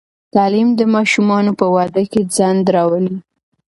تعلیم د ماشومانو په واده کې ځنډ راولي.